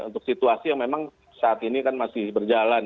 untuk situasi yang memang saat ini kan masih berjalan